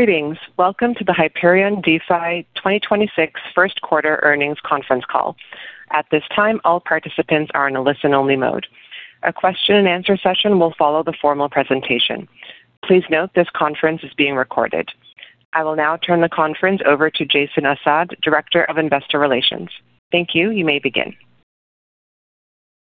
Greetings. Welcome to the Hyperion DeFi 2026 first quarter earnings conference call. At this time, all participants are in a listen-only mode. A question-and-answer session will follow the formal presentation. Please note this conference is being recorded. I will now turn the conference over to Jason Assad, Director of Investor Relations. Thank you. You may begin.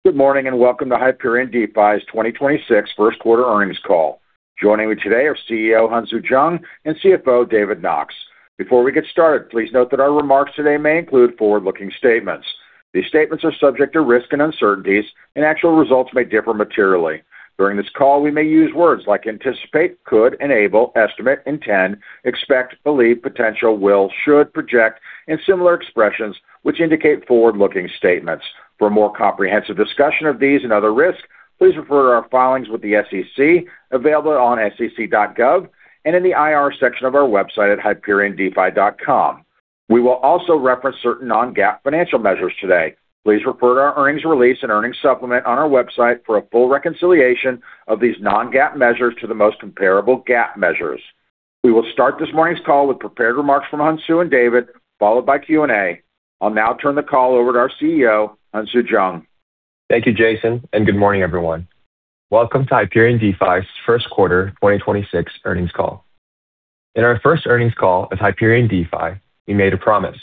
Good morning, welcome to Hyperion DeFi's 2026 first quarter earnings call. Joining me today are CEO Hyunsu Jung and CFO David Knox. Before we get started, please note that our remarks today may include forward-looking statements. These statements are subject to risks and uncertainties, and actual results may differ materially. During this call, we may use words like anticipate, could, enable, estimate, intend, expect, believe, potential, will, should, project, and similar expressions which indicate forward-looking statements. For a more comprehensive discussion of these and other risks, please refer to our filings with the SEC available on sec.gov and in the IR section of our website at hyperiondefi.com. We will also reference certain non-GAAP financial measures today. Please refer to our earnings release and earnings supplement on our website for a full reconciliation of these non-GAAP measures to the most comparable GAAP measures. We will start this morning's call with prepared remarks from Hyunsu and David, followed by Q&A. I'll now turn the call over to our CEO, Hyunsu Jung. Thank you, Jason, and good morning, everyone. Welcome to Hyperion DeFi's first quarter 2026 earnings call. In our first earnings call as Hyperion DeFi, we made a promise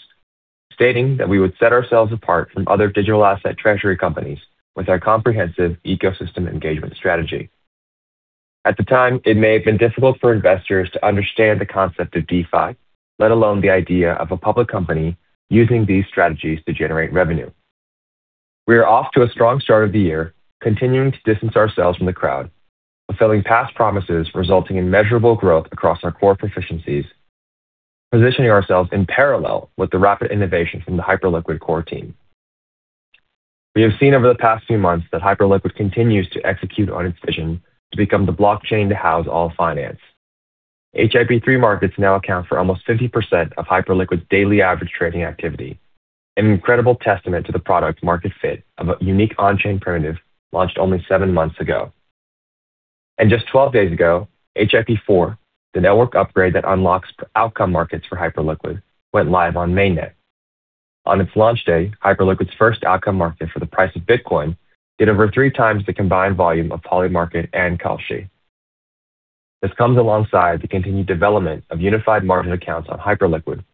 stating that we would set ourselves apart from other digital asset treasury companies with our comprehensive ecosystem engagement strategy. At the time, it may have been difficult for investors to understand the concept of DeFi, let alone the idea of a public company using these strategies to generate revenue. We are off to a strong start of the year, continuing to distance ourselves from the crowd, fulfilling past promises resulting in measurable growth across our core proficiencies, positioning ourselves in parallel with the rapid innovation from the Hyperliquid core team. We have seen over the past few months that Hyperliquid continues to execute on its vision to become the blockchain to house all finance. HIP-3 markets now account for almost 50% of Hyperliquid's daily average trading activity, an incredible testament to the product market fit of a unique on-chain primitive launched only seven months ago. Just 12 days ago, HIP-4, the network upgrade that unlocks outcome markets for Hyperliquid, went live on mainnet. On its launch day, Hyperliquid's first outcome market for the price of Bitcoin did over 3x the combined volume of Polymarket and Kalshi. This comes alongside the continued development of unified margin accounts on Hyperliquid,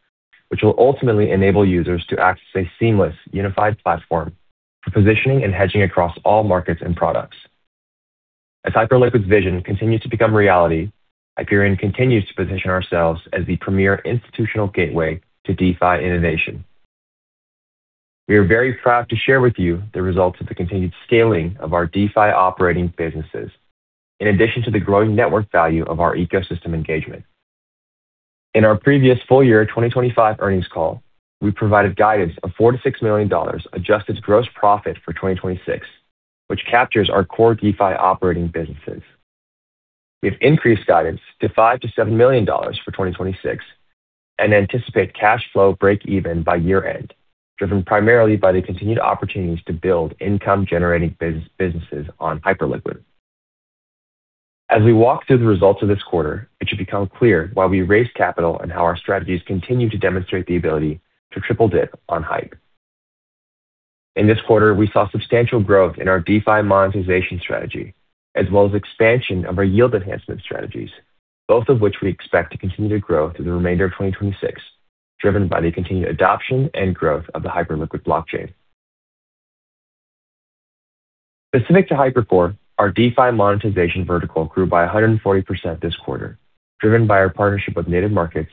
which will ultimately enable users to access a seamless unified platform for positioning and hedging across all markets and products. As Hyperliquid's vision continues to become reality, Hyperion continues to position ourselves as the premier institutional gateway to DeFi innovation. We are very proud to share with you the results of the continued scaling of our DeFi operating businesses, in addition to the growing network value of our ecosystem engagement. In our previous full year 2025 earnings call, we provided guidance of $4 million-$6 million adjusted gross profit for 2026, which captures our core DeFi operating businesses. We've increased guidance to $5 million-$7 million for 2026 and anticipate cash flow breakeven by year-end, driven primarily by the continued opportunities to build income-generating businesses on Hyperliquid. As we walk through the results of this quarter, it should become clear why we raised capital and how our strategies continue to demonstrate the ability to triple dip on HYPE. In this quarter, we saw substantial growth in our DeFi monetization strategy, as well as expansion of our yield enhancement strategies, both of which we expect to continue to grow through the remainder of 2026, driven by the continued adoption and growth of the Hyperliquid blockchain. Specific to HyperCore, our DeFi monetization vertical grew by 140% this quarter, driven by our partnership with Native Markets,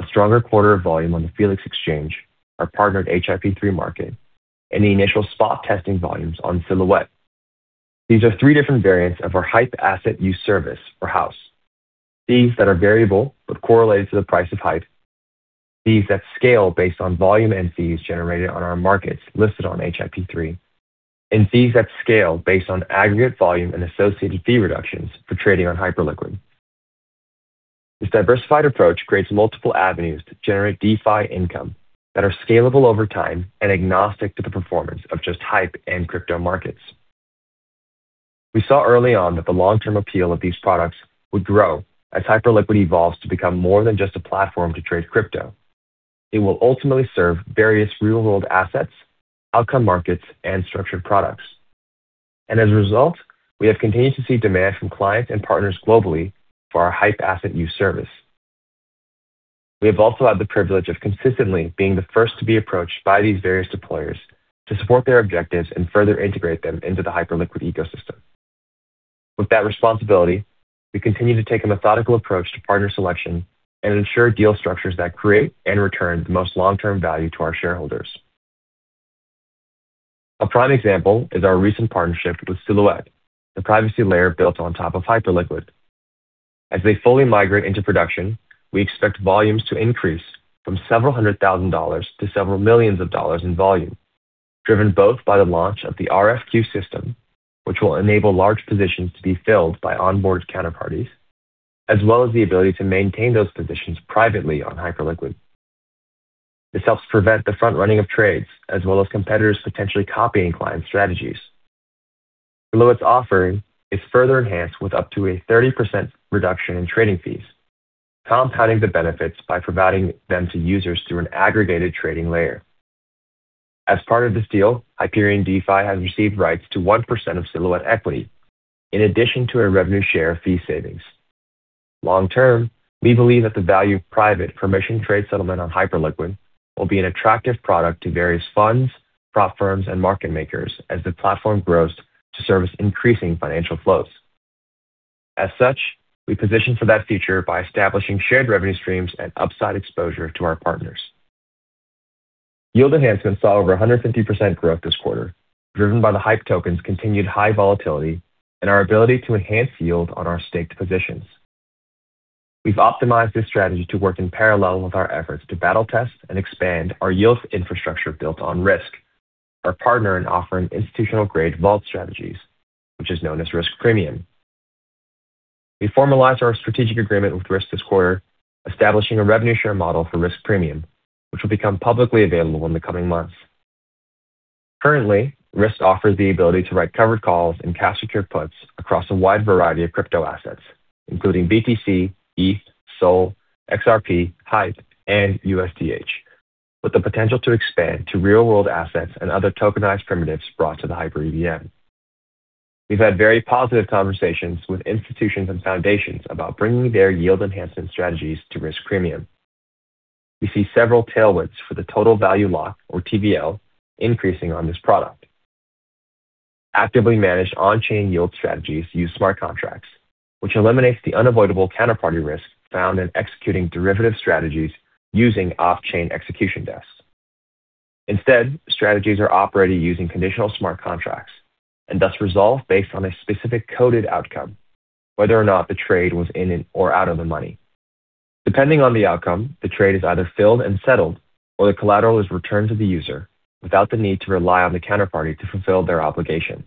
a stronger quarter of volume on the Felix Exchange, our partnered HIP-3 market, and the initial spot testing volumes on Silhouette. These are three different variants of our HYPE Asset Use Service or HAUS. Fees that are variable but correlated to the price of HYPE, fees that scale based on volume and fees generated on our markets listed on HIP-3, and fees that scale based on aggregate volume and associated fee reductions for trading on Hyperliquid. This diversified approach creates multiple avenues to generate DeFi income that are scalable over time and agnostic to the performance of just HYPE and crypto markets. We saw early on that the long-term appeal of these products would grow as Hyperliquid evolves to become more than just a platform to trade crypto. It will ultimately serve various real-world assets, outcome markets, and structured products. As a result, we have continued to see demand from clients and partners globally for our HYPE Asset Use Service. We have also had the privilege of consistently being the first to be approached by these various deployers to support their objectives and further integrate them into the Hyperliquid ecosystem. With that responsibility, we continue to take a methodical approach to partner selection and ensure deal structures that create and return the most long-term value to our shareholders. A prime example is our recent partnership with Silhouette, the privacy layer built on top of Hyperliquid. As they fully migrate into production, we expect volumes to increase from several hundred thousand dollars to several million dollars in volume, driven both by the launch of the RFQ system, which will enable large positions to be filled by onboard counterparties, as well as the ability to maintain those positions privately on Hyperliquid. This helps prevent the front-running of trades as well as competitors potentially copying client strategies. Silhouette's offering is further enhanced with up to a 30% reduction in trading fees, compounding the benefits by providing them to users through an aggregated trading layer. As part of this deal, Hyperion DeFi has received rights to 1% of Silhouette equity in addition to a revenue share of fee savings. Long term, we believe that the value of private permissioned trade settlement on Hyperliquid will be an attractive product to various funds, prop firms, and market makers as the platform grows to service increasing financial flows. As such, we position for that future by establishing shared revenue streams and upside exposure to our partners. Yield enhancements saw over 150% growth this quarter, driven by the HYPE token's continued high volatility and our ability to enhance yield on our staked positions. We've optimized this strategy to work in parallel with our efforts to battle test and expand our yield infrastructure built on Rysk, our partner in offering institutional-grade vault strategies, which is known as Rysk Premium. We formalized our strategic agreement with Rysk this quarter, establishing a revenue share model for Rysk Premium, which will become publicly available in the coming months. Currently, Rysk offers the ability to write covered calls and cash-secured puts across a wide variety of crypto assets, including BTC, ETH, SOL, XRP, HYPE, and USDH, with the potential to expand to real-world assets and other tokenized primitives brought to the HyperEVM. We've had very positive conversations with institutions and foundations about bringing their yield enhancement strategies to Rysk Premium. We see several tailwinds for the total value locked, or TVL, increasing on this product. Actively managed on-chain yield strategies use smart contracts, which eliminates the unavoidable counterparty risk found in executing derivative strategies using off-chain execution desks. Instead, strategies are operated using conditional smart contracts and thus resolve based on a specific coded outcome, whether or not the trade was in or out of the money. Depending on the outcome, the trade is either filled and settled or the collateral is returned to the user without the need to rely on the counterparty to fulfill their obligation.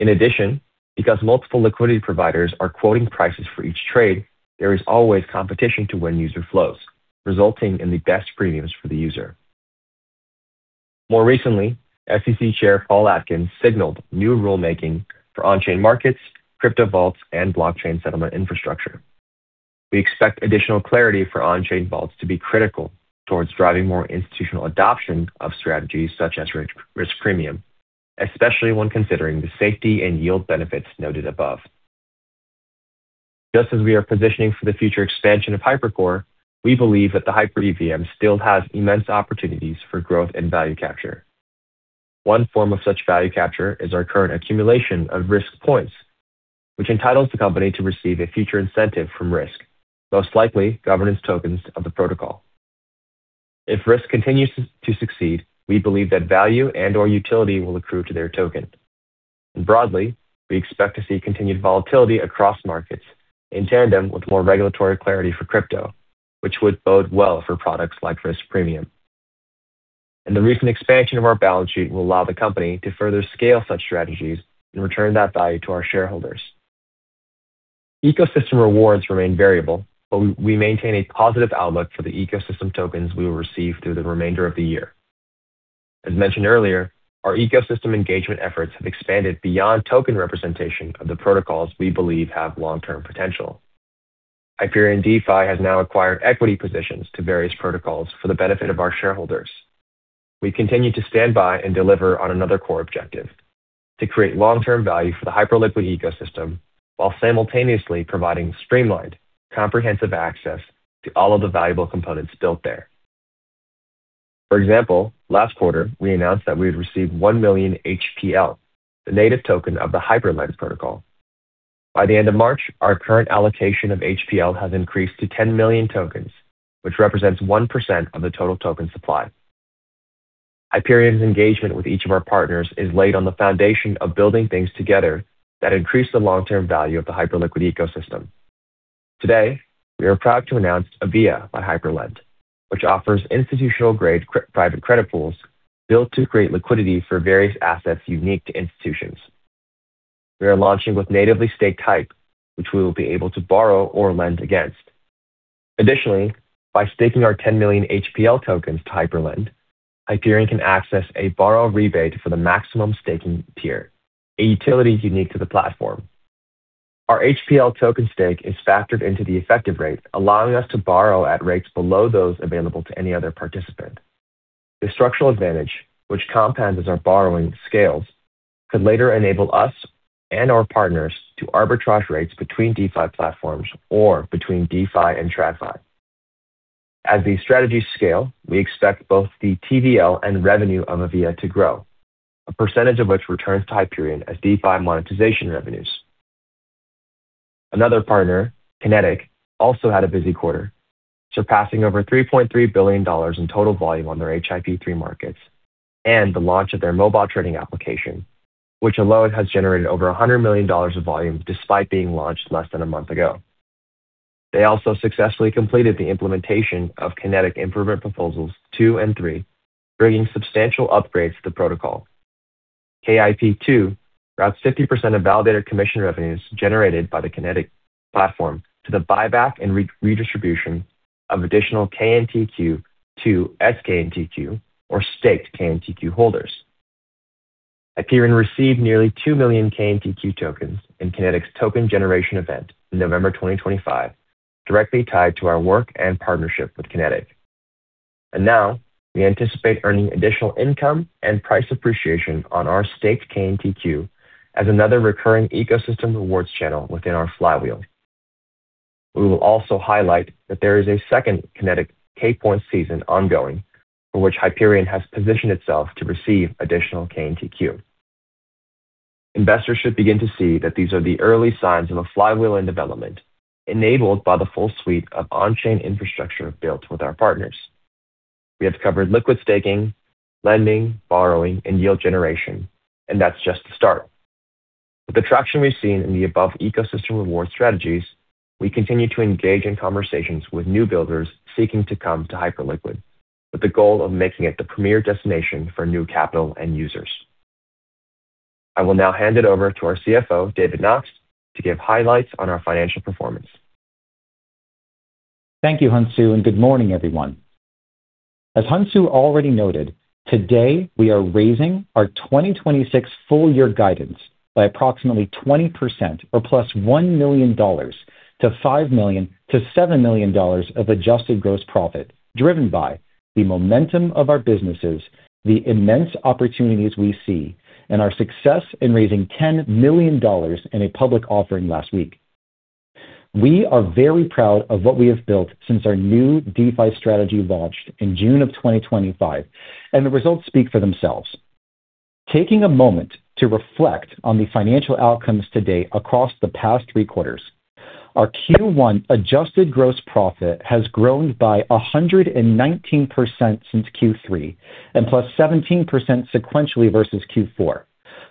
In addition, because multiple liquidity providers are quoting prices for each trade, there is always competition to win user flows, resulting in the best premiums for the user. More recently, SEC Chair Paul S. Atkins signaled new rulemaking for on-chain markets, crypto vaults, and blockchain settlement infrastructure. We expect additional clarity for on-chain vaults to be critical towards driving more institutional adoption of strategies such as Rysk Premium, especially when considering the safety and yield benefits noted above. Just as we are positioning for the future expansion of HyperCore, we believe that the HyperEVM still has immense opportunities for growth and value capture. One form of such value capture is our current accumulation of Rysk points, which entitles the company to receive a future incentive from Rysk, most likely governance tokens of the protocol. If Rysk continues to succeed, we believe that value and/or utility will accrue to their token. Broadly, we expect to see continued volatility across markets in tandem with more regulatory clarity for crypto, which would bode well for products like Rysk Premium. The recent expansion of our balance sheet will allow the company to further scale such strategies and return that value to our shareholders. Ecosystem rewards remain variable, but we maintain a positive outlook for the ecosystem tokens we will receive through the remainder of the year. As mentioned earlier, our ecosystem engagement efforts have expanded beyond token representation of the protocols we believe have long-term potential. Hyperion DeFi has now acquired equity positions to various protocols for the benefit of our shareholders. We continue to stand by and deliver on another core objective, to create long-term value for the Hyperliquid ecosystem while simultaneously providing streamlined, comprehensive access to all of the valuable components built there. For example, last quarter, we announced that we had received 1 million HPL, the native token of the Hyperlend protocol. By the end of March, our current allocation of HPL has increased to 10 million tokens, which represents 1% of the total token supply. Hyperion's engagement with each of our partners is laid on the foundation of building things together that increase the long-term value of the Hyperliquid ecosystem. Today, we are proud to announce Avia by Hyperlend, which offers institutional-grade private credit pools built to create liquidity for various assets unique to institutions. We are launching with natively staked HYPE, which we will be able to borrow or lend against. Additionally, by staking our 10 million HPL tokens to Hyperlend, Hyperion can access a borrow rebate for the maximum staking tier, a utility unique to the platform. Our HPL token stake is factored into the effective rate, allowing us to borrow at rates below those available to any other participant. This structural advantage, which compounds as our borrowing scales, could later enable us and our partners to arbitrage rates between DeFi platforms or between DeFi and TradFi. As these strategies scale, we expect both the TVL and revenue of Avia to grow, a percentage of which returns to Hyperion as DeFi monetization revenues. Another partner, Kinetic, also had a busy quarter, surpassing over $3.3 billion in total volume on their HIP-3 markets and the launch of their mobile trading application, which alone has generated over $100 million of volume despite being launched less than one month ago. They also successfully completed the implementation of KIP-2 and KIP-3, bringing substantial upgrades to the protocol. KIP-2 routes 50% of validator commission revenues generated by the Kinetic platform to the buyback and redistribution of additional KNTQ to SKNTQ or staked KNTQ holders. Hyperion received nearly 2 million KNTQ tokens in Kinetic's token generation event in November 2025, directly tied to our work and partnership with Kinetic. Now we anticipate earning additional income and price appreciation on our staked KNTQ as another recurring ecosystem rewards channel within our flywheel. We will also highlight that there is a second Kinetic K-Point season ongoing for which Hyperion has positioned itself to receive additional KNTQ. Investors should begin to see that these are the early signs of a flywheel in development enabled by the full suite of on-chain infrastructure built with our partners. We have covered liquid staking, lending, borrowing, and yield generation, and that's just the start. With the traction we've seen in the above ecosystem reward strategies, we continue to engage in conversations with new builders seeking to come to Hyperliquid, with the goal of making it the premier destination for new capital and users. I will now hand it over to our CFO, David Knox, to give highlights on our financial performance. Thank you, Hyunsu, and good morning, everyone. As Hyunsu already noted, today we are raising our 2026 full year guidance by approximately 20% or +$1 million-$5 million-$7 million of adjusted gross profit, driven by the momentum of our businesses, the immense opportunities we see, and our success in raising $10 million in a public offering last week. We are very proud of what we have built since our new DeFi strategy launched in June of 2025. The results speak for themselves. Taking a moment to reflect on the financial outcomes to date across the past three quarters, our Q1 adjusted gross profit has grown by 119% since Q3 and +17% sequentially versus Q4,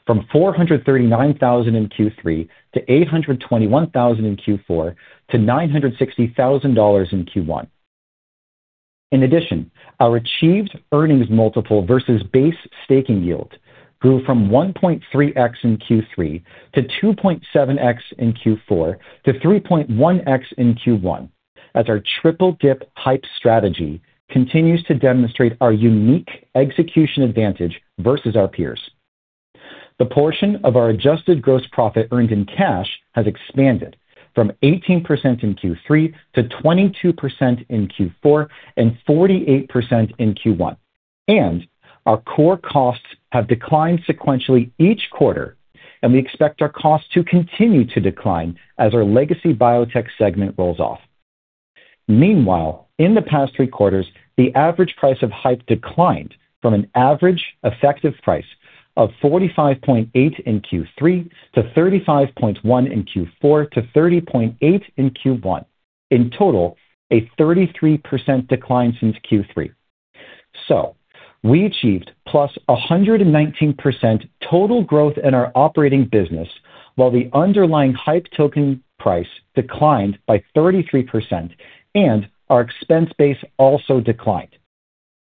from $439,000 in Q3 to $821,000 in Q4 to $960,000 in Q1. In addition, our achieved earnings multiple versus base staking yield grew from 1.3x in Q3 to 2.7x in Q4 to 3.1x in Q1, as our triple-dip HYPE strategy continues to demonstrate our unique execution advantage versus our peers. The portion of our adjusted gross profit earned in cash has expanded from 18% in Q3 to 22% in Q4 and 48% in Q1. Our core costs have declined sequentially each quarter, and we expect our costs to continue to decline as our legacy biotech segment rolls off. Meanwhile, in the past three quarters, the average price of HYPE declined from an average effective price of $45.8 in Q3 to $35.1 in Q4 to $30.8 in Q1. In total, a 33% decline since Q3. We achieved +119% total growth in our operating business while the underlying HYPE token price declined by 33% and our expense base also declined.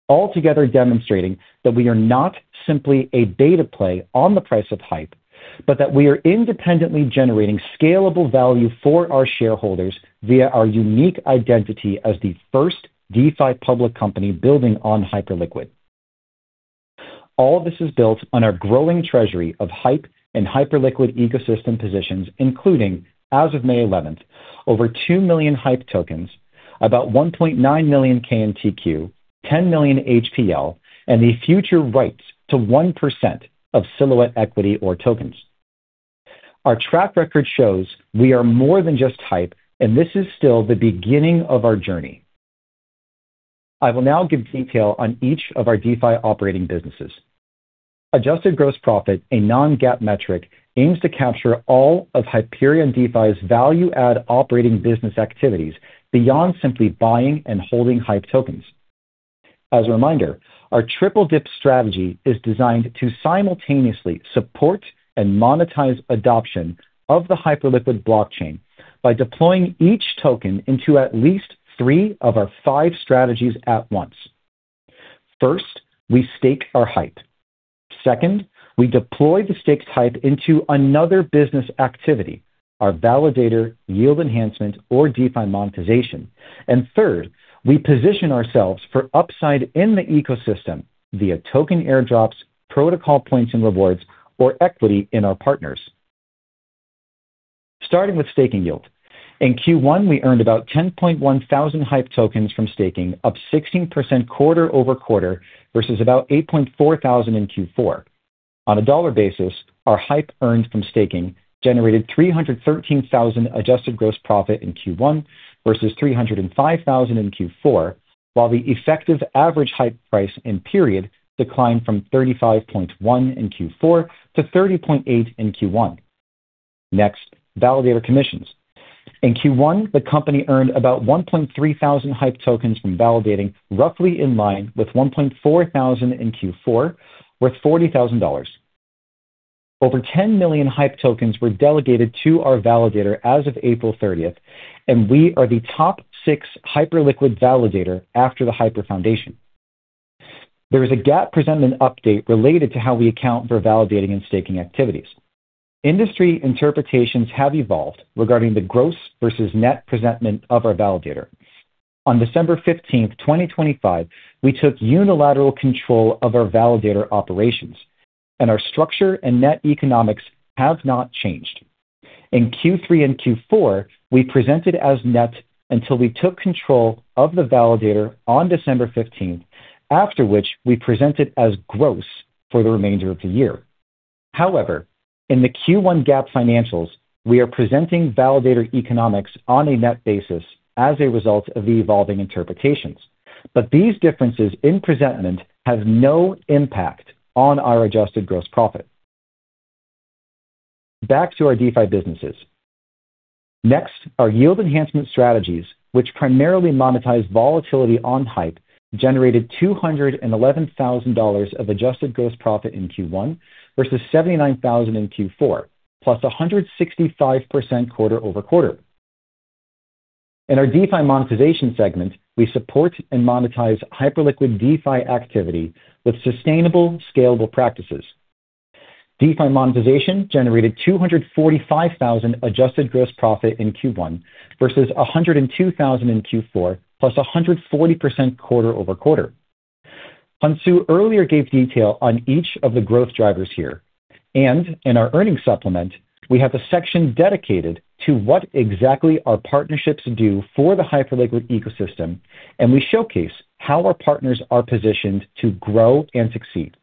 Altogether demonstrating that we are not simply a beta play on the price of HYPE, but that we are independently generating scalable value for our shareholders via our unique identity as the first DeFi public company building on Hyperliquid. All of this is built on our growing treasury of HYPE and Hyperliquid ecosystem positions, including, as of May 11th, over 2 million HYPE tokens, about 1.9 million KNTQ, 10 million HPL, and the future rights to 1% of Silhouette equity or tokens. Our track record shows we are more than just HYPE, and this is still the beginning of our journey. I will now give detail on each of our DeFi operating businesses. Adjusted gross profit, a non-GAAP metric, aims to capture all of Hyperion DeFi's value-add operating business activities beyond simply buying and holding HYPE tokens. As a reminder, our triple dip strategy is designed to simultaneously support and monetize adoption of the Hyperliquid blockchain by deploying each token into at least 3/5 strategies at once. First, we stake our HYPE. Second, we deploy the staked HYPE into another business activity, our validator yield enhancement or DeFi monetization. Third, we position ourselves for upside in the ecosystem via token airdrops, protocol points and rewards, or equity in our partners. Starting with staking yield. In Q1, we earned about 10,100 HYPE tokens from staking, up 16% quarter-over-quarter versus about 8,400 in Q4. On a dollar basis, our HYPE earned from staking generated $313,000 adjusted gross profit in Q1 versus $305,000 in Q4, while the effective average HYPE price in period declined from $35.1 in Q4 to $30.8 in Q1. Next, validator commissions. In Q1, the company earned about 1,300 HYPE tokens from validating roughly in line with 1,400 in Q4, worth $40,000. Over 10 million HYPE tokens were delegated to our validator as of April 30th, and we are the top six Hyperliquid validator after the Hyper Foundation. There is a GAAP presentment update related to how we account for validating and staking activities. Industry interpretations have evolved regarding the gross versus net presentment of our validator. On December 15th, 2025, we took unilateral control of our validator operations, and our structure and net economics have not changed. In Q3 and Q4, we presented as net until we took control of the validator on December 15th, after which we presented as gross for the remainder of the year. However, in the Q1 GAAP financials, we are presenting validator economics on a net basis as a result of the evolving interpretations. These differences in presentment have no impact on our adjusted gross profit. Back to our DeFi businesses. Next, our yield enhancement strategies, which primarily monetize volatility on HYPE, generated $211,000 of adjusted gross profit in Q1 versus $79,000 in Q4, +165% quarter-over-quarter. In our DeFi monetization segment, we support and monetize Hyperliquid DeFi activity with sustainable, scalable practices. DeFi monetization generated $245,000 adjusted gross profit in Q1 versus $102,000 in Q4, +140% quarter-over-quarter. Hyunsu Jung earlier gave detail on each of the growth drivers here. In our earnings supplement, we have a section dedicated to what exactly our partnerships do for the Hyperliquid ecosystem, and we showcase how our partners are positioned to grow and succeed.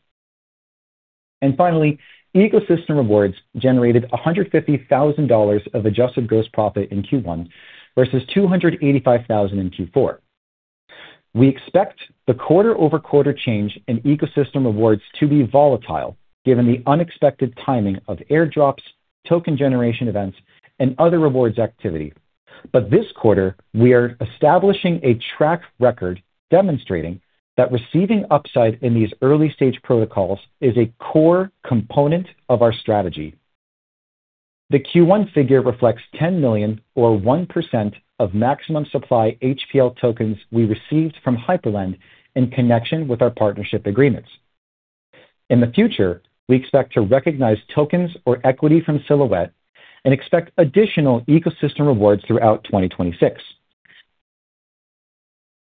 Finally, ecosystem rewards generated $150,000 of adjusted gross profit in Q1 versus $285,000 in Q4. We expect the quarter-over-quarter change in ecosystem rewards to be volatile given the unexpected timing of airdrops, token generation events, and other rewards activity. This quarter, we are establishing a track record demonstrating that receiving upside in these early-stage protocols is a core component of our strategy. The Q1 figure reflects 10 million or 1% of maximum supply HPL tokens we received from Hyperlend in connection with our partnership agreements. In the future, we expect to recognize tokens or equity from Silhouette and expect additional ecosystem rewards throughout 2026.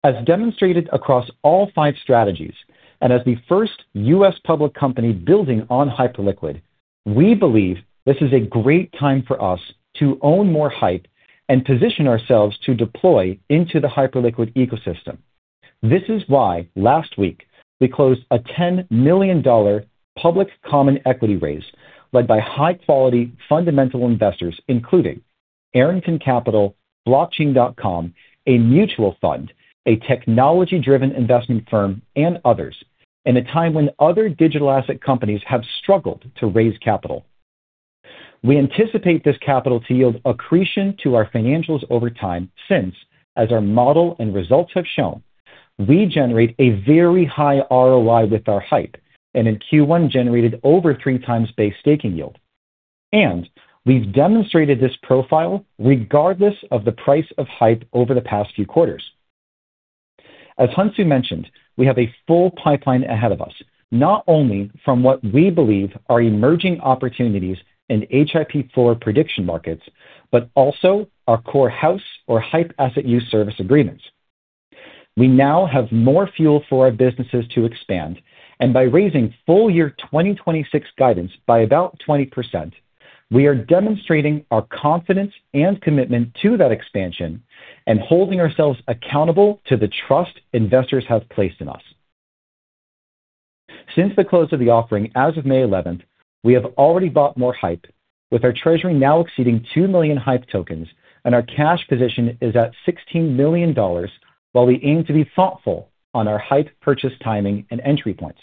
As demonstrated across all five strategies and as the first U.S. public company building on Hyperliquid, we believe this is a great time for us to own more HYPE and position ourselves to deploy into the Hyperliquid ecosystem. This is why last week we closed a $10 million public common equity raise led by high-quality fundamental investors, including Arrington Capital, Blockchain.com, a mutual fund, a technology-driven investment firm, and others, in a time when other digital asset companies have struggled to raise capital. We anticipate this capital to yield accretion to our financials over time since, as our model and results have shown, we generate a very high ROI with our HYPE, and in Q1 generated over 3x base staking yield. We've demonstrated this profile regardless of the price of HYPE over the past few quarters. As Hyunsu mentioned, we have a full pipeline ahead of us, not only from what we believe are emerging opportunities in HIP-4 prediction markets, but also our core HAUS or HYPE Asset Use Service agreements. We now have more fuel for our businesses to expand, and by raising full year 2026 guidance by about 20%, we are demonstrating our confidence and commitment to that expansion and holding ourselves accountable to the trust investors have placed in us. Since the close of the offering as of May 11th, we have already bought more HYPE, with our treasury now exceeding 2 million HYPE tokens, and our cash position is at $16 million, while we aim to be thoughtful on our HYPE purchase timing and entry points.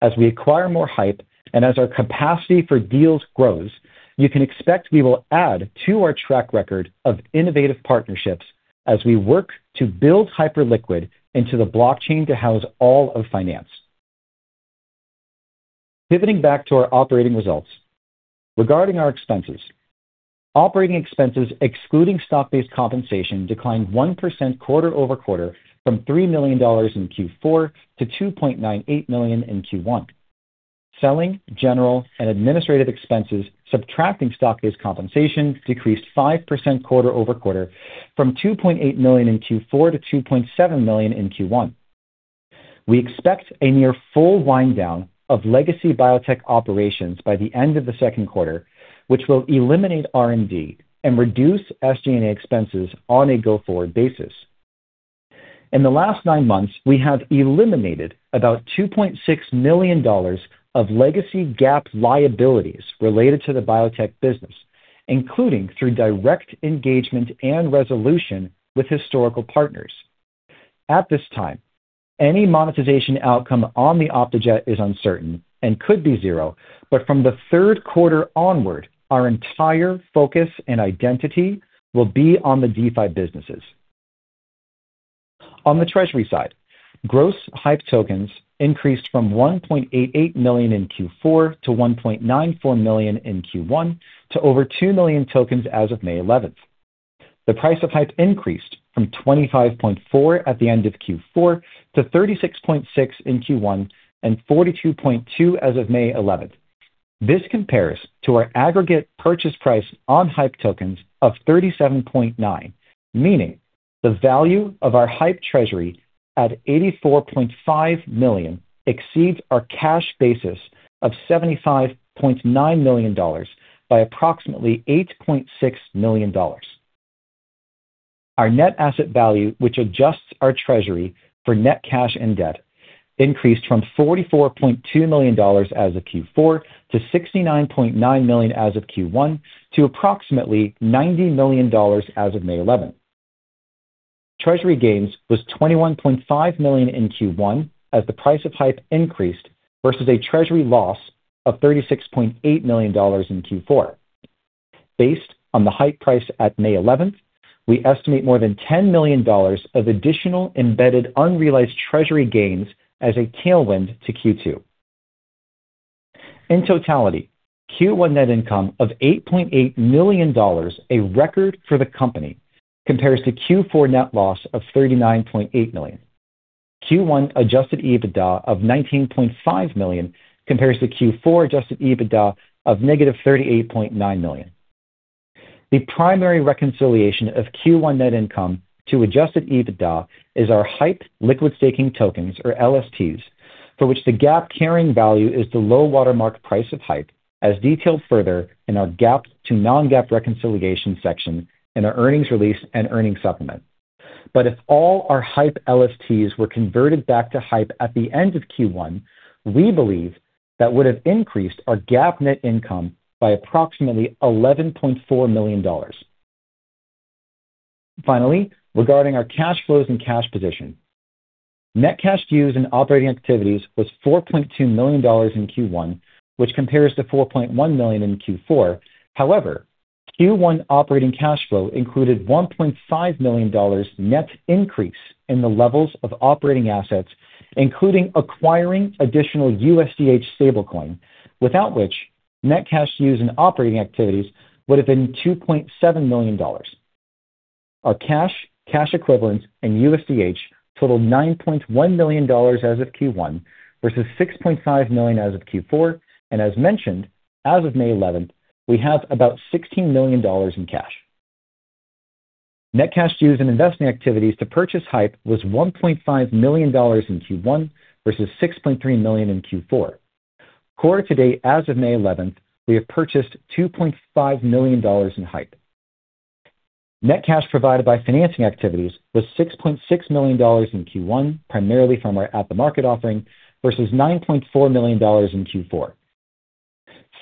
As we acquire more HYPE and as our capacity for deals grows, you can expect we will add to our track record of innovative partnerships as we work to build Hyperliquid into the blockchain to house all of finance. Pivoting back to our operating results. Regarding our expenses, operating expenses excluding stock-based compensation declined 1% quarter-over-quarter from $3 million in Q4 to $2.98 million in Q1. Selling, general, and administrative expenses, subtracting stock-based compensation, decreased 5% quarter-over-quarter from $2.8 million in Q4 to $2.7 million in Q1. We expect a near full wind down of legacy biotech operations by the end of the second quarter, which will eliminate R&D and reduce SG&A expenses on a go-forward basis. In the last nine months, we have eliminated about $2.6 million of legacy GAAP liabilities related to the biotech business, including through direct engagement and resolution with historical partners. At this time, any monetization outcome on the Optejet is uncertain and could be zero. From the third quarter onward, our entire focus and identity will be on the DeFi businesses. On the treasury side, gross HYPE tokens increased from 1.88 million in Q4 to 1.94 million in Q1 to over 2 million tokens as of May 11th. The price of HYPE increased from $25.4 at the end of Q4 to $36.6 in Q1 and $42.2 as of May 11th. This compares to our aggregate purchase price on HYPE tokens of $37.9, meaning the value of our HYPE treasury at $84.5 million exceeds our cash basis of $75.9 million by approximately $8.6 million. Our net asset value, which adjusts our treasury for net cash and debt, increased from $44.2 million as of Q4 to $69.9 million as of Q1 to approximately $90 million as of May 11th. Treasury gains was $21.5 million in Q1 as the price of HYPE increased versus a treasury loss of $36.8 million in Q4. Based on the HYPE price at May 11th, we estimate more than $10 million of additional embedded unrealized treasury gains as a tailwind to Q2. In totality, Q1 net income of $8.8 million, a record for the company, compares to Q4 net loss of $39.8 million. Q1 adjusted EBITDA of $19.5 million compares to Q4 adjusted EBITDA of -$38.9 million. The primary reconciliation of Q1 net income to adjusted EBITDA is our HYPE liquid staking tokens, or LSTs, for which the GAAP carrying value is the low watermark price of HYPE, as detailed further in our GAAP to non-GAAP reconciliation section in our earnings release and earnings supplement. If all our HYPE LSTs were converted back to HYPE at the end of Q1, we believe that would have increased our GAAP net income by approximately $11.4 million. Finally, regarding our cash flows and cash position. Net cash used in operating activities was $4.2 million in Q1, which compares to $4.1 million in Q4. However, Q1 operating cash flow included $1.5 million net increase in the levels of operating assets, including acquiring additional USDH stablecoin, without which net cash used in operating activities would have been $2.7 million. Our cash equivalents, and USDH totaled $9.1 million as of Q1 versus $6.5 million as of Q4. As mentioned, as of May 11th, we have about $16 million in cash. Net cash used in investing activities to purchase HYPE was $1.5 million in Q1 versus $6.3 million in Q4. Quarter to date, as of May 11th, we have purchased $2.5 million in HYPE. Net cash provided by financing activities was $6.6 million in Q1, primarily from our at the market offering, versus $9.4 million in Q4.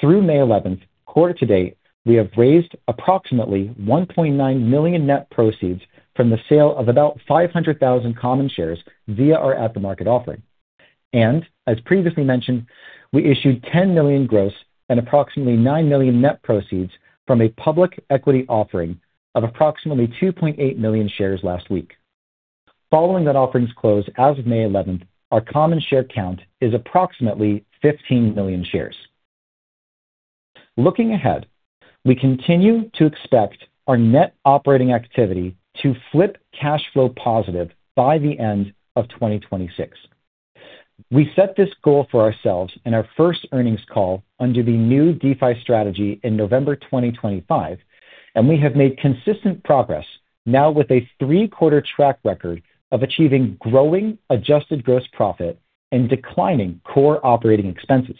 Through May 11th, quarter to date, we have raised approximately $1.9 million net proceeds from the sale of about 500,000 common shares via our at the market offering. As previously mentioned, we issued $10 million gross and approximately $9 million net proceeds from a public equity offering of approximately 2.8 million shares last week. Following that offering's close as of May 11th, our common share count is approximately 15 million shares. Looking ahead, we continue to expect our net operating activity to flip cash flow positive by the end of 2026. We set this goal for ourselves in our first earnings call under the new DeFi strategy in November 2025. We have made consistent progress now with a three-quarter track record of achieving growing adjusted gross profit and declining core operating expenses.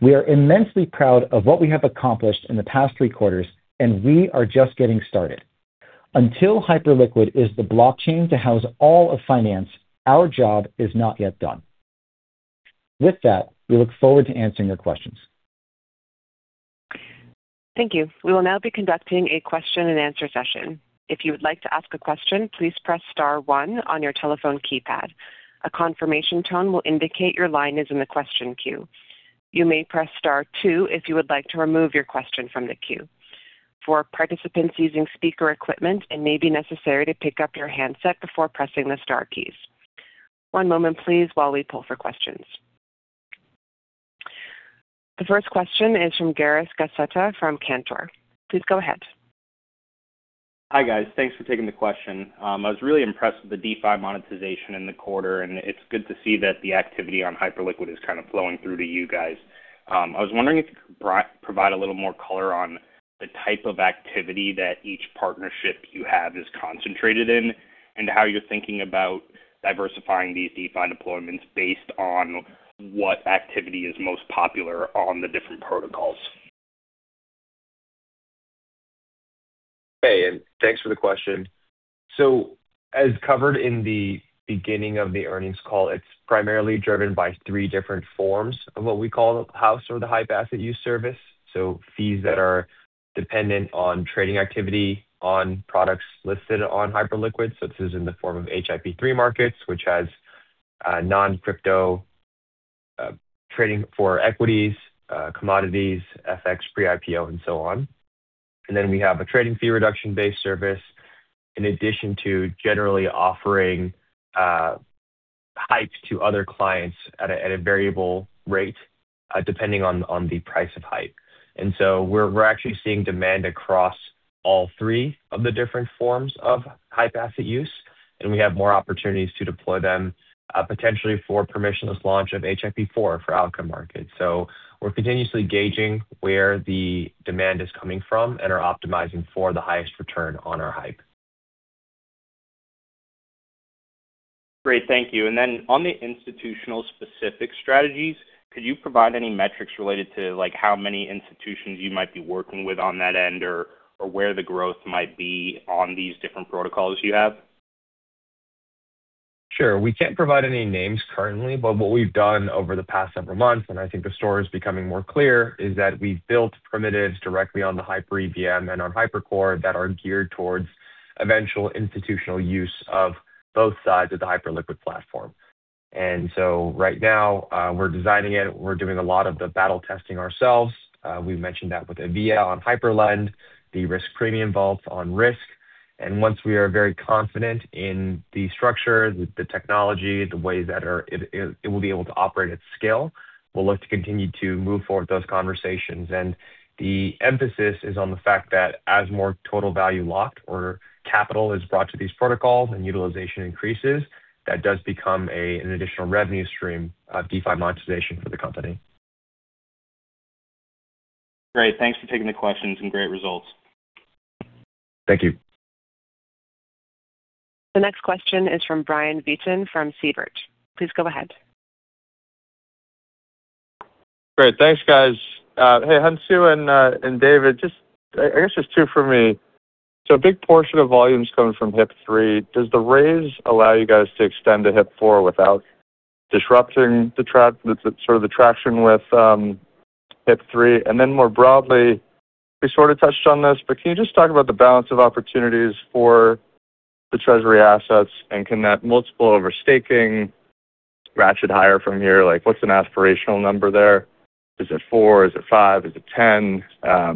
We are immensely proud of what we have accomplished in the past three quarters. We are just getting started. Until Hyperliquid is the blockchain to house all of finance, our job is not yet done. With that, we look forward to answering your questions. Thank you. We will now be conducting a question-and-answer session. If you would like to ask a question, please press star one on your telephone keypad. A confirmation tone will indicate your line is in the question queue. You may press star two if you would like to remove your question from the queue. For participants using speaker equipment, it may be necessary to pick up your handset before pressing the star keys. One moment please while we pull for questions. The first question is from Gareth Gacetta from Cantor. Please go ahead. Hi, guys. Thanks for taking the question. I was really impressed with the DeFi monetization in the quarter, and it's good to see that the activity on Hyperliquid is kind of flowing through to you guys. I was wondering if you could provide a little more color on the type of activity that each partnership you have is concentrated in and how you're thinking about diversifying these DeFi deployments based on what activity is most popular on the different protocols. Hey, and thanks for the question. As covered in the beginning of the earnings call, it's primarily driven by three different forms of what we call HAUS or the HYPE Asset Use Service. Fees that are dependent on trading activity on products listed on Hyperliquid. This is in the form of HIP-3 markets, which has non-crypto Trading for equities, commodities, FX, pre-IPO, and so on. We have a trading fee reduction-based service in addition to generally offering HYPEs to other clients at a variable rate depending on the price of HYPE. We're actually seeing demand across all three of the different forms of HYPE asset use, and we have more opportunities to deploy them potentially for permissionless launch of HIP-4 for outcome markets. We're continuously gauging where the demand is coming from and are optimizing for the highest return on our HYPE. Great. Thank you. Then on the institutional specific strategies, could you provide any metrics related to, like, how many institutions you might be working with on that end or where the growth might be on these different protocols you have? Sure. We can't provide any names currently, but what we've done over the past several months, and I think the story is becoming more clear, is that we've built primitives directly on the HyperEVM and on HyperCore that are geared towards eventual institutional use of both sides of the Hyperliquid platform. Right now, we're designing it. We're doing a lot of the battle testing ourselves. We mentioned that with Avia on Hyperlend, the Rysk Premium vaults on Rysk. Once we are very confident in the structure, the technology, the ways that it will be able to operate at scale, we'll look to continue to move forward with those conversations. The emphasis is on the fact that as more total value locked or capital is brought to these protocols and utilization increases, that does become an additional revenue stream of DeFi monetization for the company. Great. Thanks for taking the questions and great results. Thank you. The next question is from Brian Vieten from Siebert. Please go ahead. Great. Thanks, guys. Hey, Hyunsu and David, I guess just two for me. A big portion of volume's coming from HIP-3. Does the raise allow you guys to extend to HIP-4 without disrupting the sort of the traction with HIP-3? More broadly, we sort of touched on this, can you just talk about the balance of opportunities for the Treasury assets and can that multiple over staking ratchet higher from here? Like, what's an aspirational number there? Is it four? Is it five? Is it 10?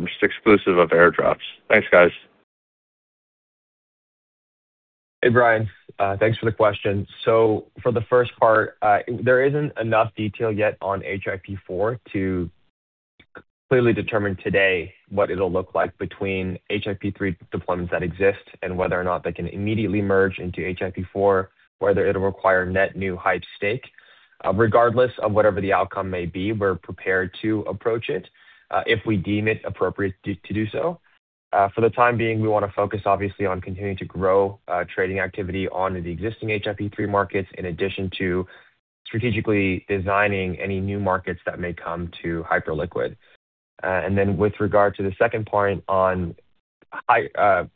Just exclusive of airdrops. Thanks, guys. Hey, Brian. Thanks for the question. For the first part, there isn't enough detail yet on HIP-4 to clearly determine today what it'll look like between HIP-3 deployments that exist and whether or not they can immediately merge into HIP-4, whether it'll require net new HYPE stake. Regardless of whatever the outcome may be, we're prepared to approach it, if we deem it appropriate to do so. For the time being, we wanna focus obviously on continuing to grow, trading activity onto the existing HIP-3 markets in addition to strategically designing any new markets that may come to Hyperliquid. Then with regard to the second point on HYPE,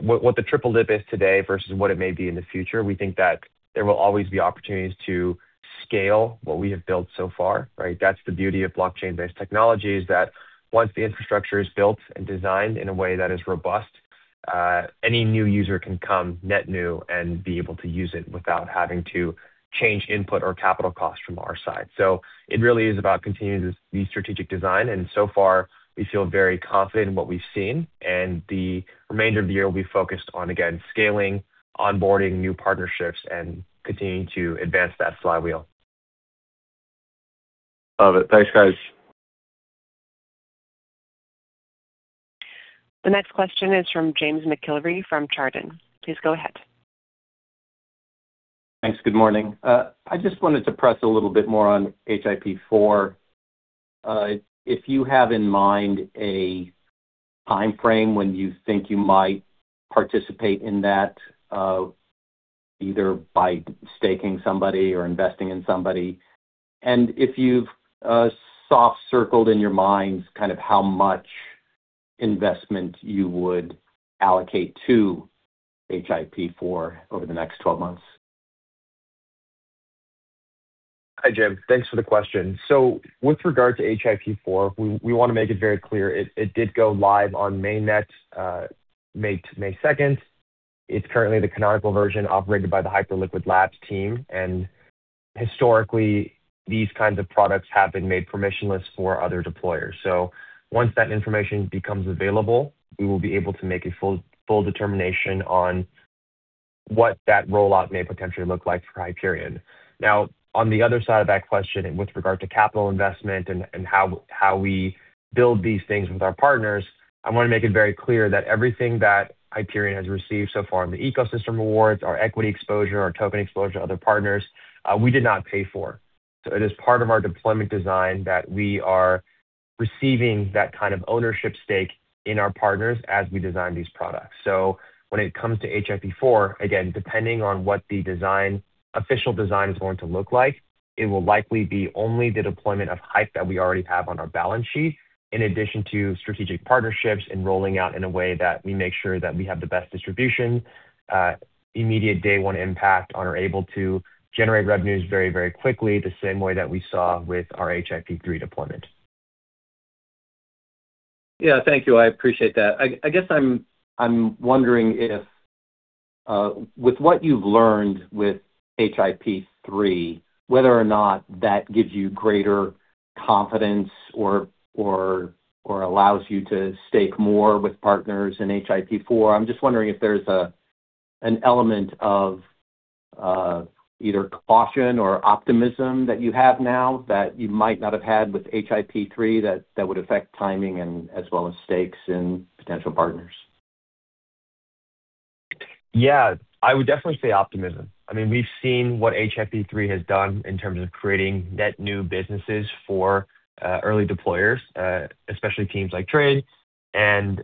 what the triple DIP is today versus what it may be in the future, we think that there will always be opportunities to scale what we have built so far, right? That's the beauty of blockchain-based technology is that once the infrastructure is built and designed in a way that is robust, any new user can come net new and be able to use it without having to change input or capital costs from our side. It really is about continuing to the strategic design, and so far we feel very confident in what we've seen and the remainder of the year will be focused on, again, scaling, onboarding new partnerships, and continuing to advance that flywheel. Love it. Thanks, guys. The next question is from James McIlree from Chardan. Please go ahead. Thanks. Good morning. I just wanted to press a little bit more on HIP-4. If you have in mind a timeframe when you think you might participate in that, either by staking somebody or investing in somebody, and if you've soft circled in your mind kind of how much investment you would allocate to HIP-4 over the next 12 months. Hi, James. Thanks for the question. With regard to HIP-4, we wanna make it very clear it did go live on main net, May 2nd. It's currently the canonical version operated by the Hyperliquid Labs team, historically these kinds of products have been made permissionless for other deployers. Once that information becomes available, we will be able to make a full determination on what that rollout may potentially look like for Hyperion. On the other side of that question and with regard to capital investment and how we build these things with our partners, I wanna make it very clear that everything that Hyperion has received so far in the ecosystem rewards, our equity exposure, our token exposure to other partners, we did not pay for. It is part of our deployment design that we are receiving that kind of ownership stake in our partners as we design these products. When it comes to HIP-4, again, depending on what the official design is going to look like, it will likely be only the deployment of HYPE that we already have on our balance sheet in addition to strategic partnerships and rolling out in a way that we make sure that we have the best distribution, immediate day one impact and are able to generate revenues very, very quickly, the same way that we saw with our HIP-3 deployment. Yeah. Thank you, I appreciate that. I guess I'm wondering if, with what you've learned with HIP-3, whether or not that gives you greater confidence or allows you to stake more with partners in HIP-4. I'm just wondering if there's an element of either caution or optimism that you have now that you might not have had with HIP-3 that would affect timing and as well as stakes and potential partners. Yeah. I would definitely say optimism. I mean, we've seen what HIP-3 has done in terms of creating net new businesses for early deployers, especially teams like Trade and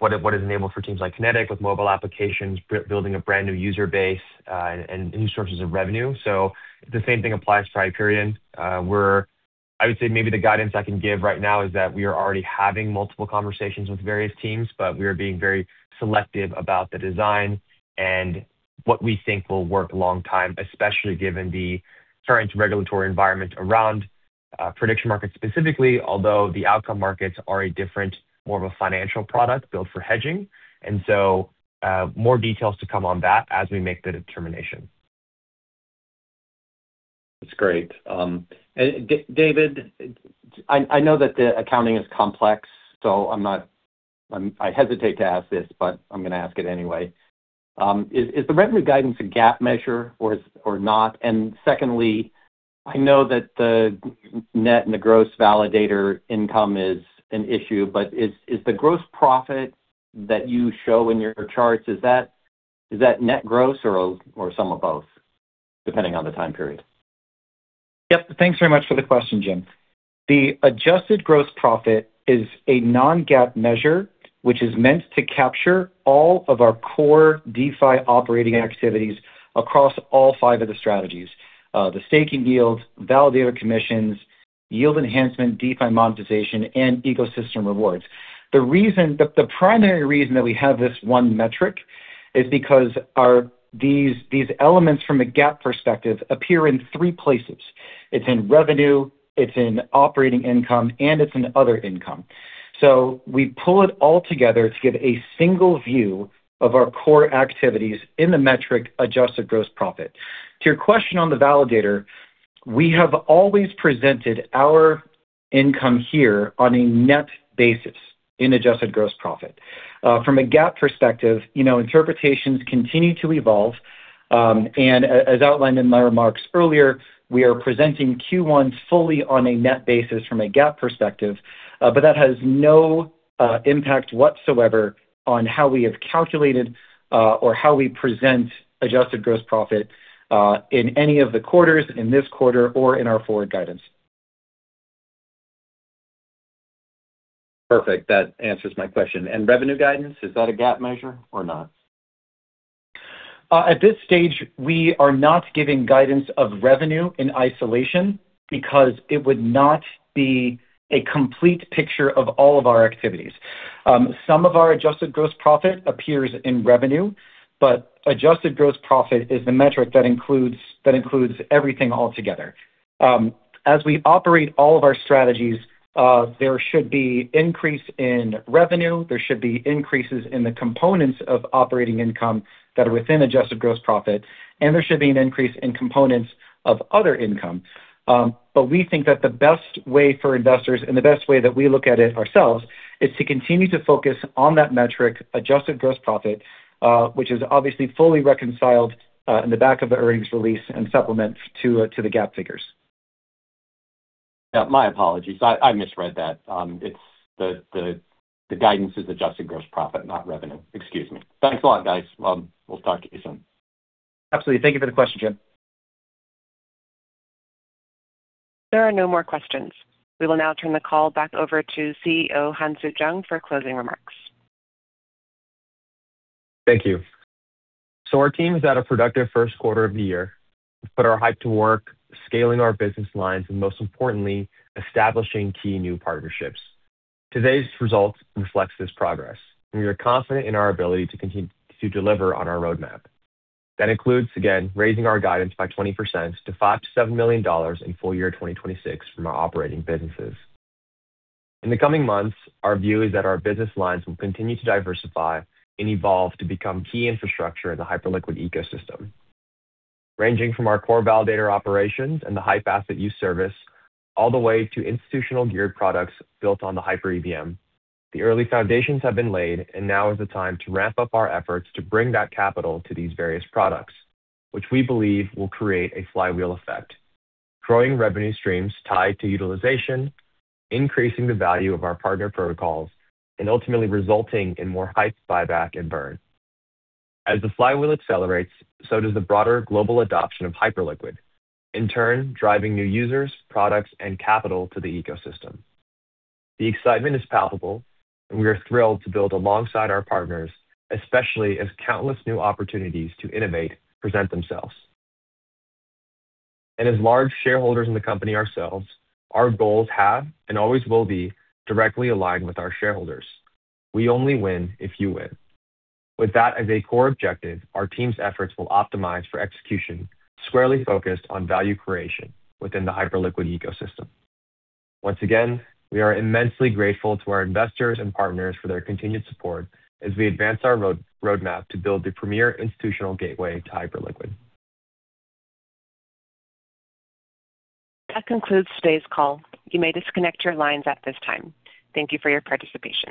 what it enabled for teams like Kinetic with mobile applications, building a brand-new user base and new sources of revenue. The same thing applies to Hyperion. I would say maybe the guidance I can give right now is that we are already having multiple conversations with various teams, but we are being very selective about the design and what we think will work long term, especially given the current regulatory environment around prediction markets specifically, although the outcome markets are a different, more of a financial product built for hedging. More details to come on that as we make the determination. That's great. David, I know that the accounting is complex, so I'm not, I hesitate to ask this, but I'm gonna ask it anyway. Is the revenue guidance a GAAP measure or is, or not? Secondly, I know that the net and the gross validator income is an issue, but is the gross profit that you show in your charts, is that net growth or some of both, depending on the time period? Yep. Thanks very much for the question, James. The adjusted gross profit is a non-GAAP measure, which is meant to capture all of our core DeFi operating activities across all five of the strategies: the staking yields, validator commissions, yield enhancement, DeFi monetization, and ecosystem rewards. The primary reason that we have this one metric is because our, these elements from a GAAP perspective appear in three places. It's in revenue, it's in operating income, and it's in other income. We pull it all together to give a single view of our core activities in the metric adjusted gross profit. To your question on the validator, we have always presented our income here on a net basis in adjusted gross profit. From a GAAP perspective, you know, interpretations continue to evolve, and as outlined in my remarks earlier, we are presenting Q1 fully on a net basis from a GAAP perspective, but that has no impact whatsoever on how we have calculated, or how we present adjusted gross profit, in any of the quarters, in this quarter or in our forward guidance. Perfect. That answers my question. Revenue guidance, is that a GAAP measure or not? At this stage, we are not giving guidance of revenue in isolation because it would not be a complete picture of all of our activities. Some of our adjusted gross profit appears in revenue, but adjusted gross profit is the metric that includes everything altogether. As we operate all of our strategies, there should be increase in revenue, there should be increases in the components of operating income that are within adjusted gross profit, and there should be an increase in components of other income. But we think that the best way for investors and the best way that we look at it ourselves is to continue to focus on that metric, adjusted gross profit, which is obviously fully reconciled in the back of the earnings release and supplements to the GAAP figures. Yeah, my apologies. I misread that. It's the guidance is adjusted gross profit, not revenue. Excuse me. Thanks a lot, guys. We'll talk to you soon. Absolutely. Thank you for the question, James. There are no more questions. We will now turn the call back over to CEO Hyunsu Jung for closing remarks. Thank you. Our team has had a productive first quarter of the year. We've put our HYPE to work scaling our business lines and, most importantly, establishing key new partnerships. Today's results reflects this progress, and we are confident in our ability to continue to deliver on our roadmap. That includes, again, raising our guidance by 20% to $5 million-$7 million in full year 2026 from our operating businesses. In the coming months, our view is that our business lines will continue to diversify and evolve to become key infrastructure in the Hyperliquid ecosystem. Ranging from our core validator operations and the HYPE Asset Use Service, all the way to institutional geared products built on the HyperEVM. The early foundations have been laid, and now is the time to ramp up our efforts to bring that capital to these various products, which we believe will create a flywheel effect. Growing revenue streams tied to utilization, increasing the value of our partner protocols, ultimately resulting in more HYPE buyback and burn. As the flywheel accelerates, so does the broader global adoption of Hyperliquid, in turn, driving new users, products, and capital to the ecosystem. The excitement is palpable, we are thrilled to build alongside our partners, especially as countless new opportunities to innovate present themselves. As large shareholders in the company ourselves, our goals have and always will be directly aligned with our shareholders. We only win if you win. With that as a core objective, our team's efforts will optimize for execution squarely focused on value creation within the Hyperliquid ecosystem. Once again, we are immensely grateful to our investors and partners for their continued support as we advance our roadmap to build the premier institutional gateway to Hyperliquid. That concludes today's call. You may disconnect your lines at this time. Thank you for your participation.